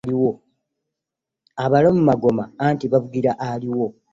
Abalamu magoma anti gavugira aliwo.